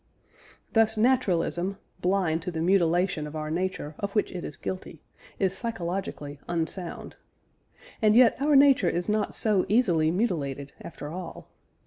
Thus naturalism, blind to the mutilation of our nature of which it is guilty, is psychologically unsound. And yet, our nature is not so easily mutilated after all.